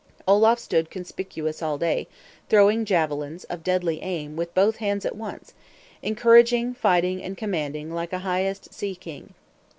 Olaf stood conspicuous all day, throwing javelins, of deadly aim, with both hands at once; encouraging, fighting and commanding like a highest sea king.